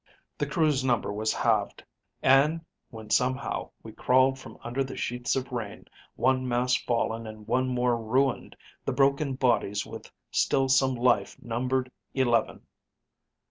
"The crew's number was halved, and when somehow we crawled from under the sheets of rain, one mast fallen and one more ruined, the broken bodies with still some life numbered eleven.